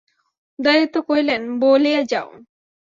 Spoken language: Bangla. উদয়াদিত্য কহিলেন, বলিয়া যাও।